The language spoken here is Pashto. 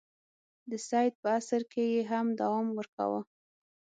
د سید په عصر کې یې هم دوام ورکاوه.